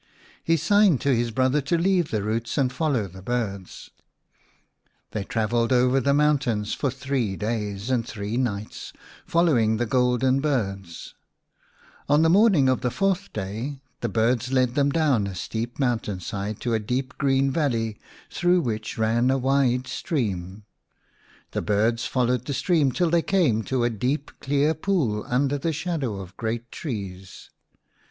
He signed to his brother to leave the roots and follow the birds. 1 RooibekJcie Dutch for "red beak." 2 Afantsiancihe Kafir name for the rooibekkie. 3 Setuli ; i They travelled over the mountains for three days and three nights, following the golden birds. On the morning of the fourth day the birds led them down a steep mountain side to a deep green valley through which ran a wide stream. The birds followed the stream till they came to a deep clear pool under the shadow of great trees.